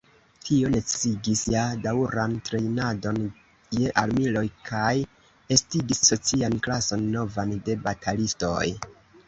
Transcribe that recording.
Tio necesigis ja daŭran trejnadon je armiloj kaj estigis socian klason novan de batalistoj.